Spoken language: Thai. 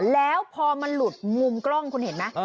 แล้วพอมันหลุดมุมกล้องคุณเห็นไหม